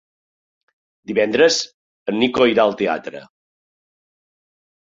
Divendres en Nico irà al teatre.